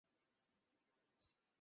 হ্যাঁ -আমিও -হ্যাঁ, আমি বুঝতে পেরেছি।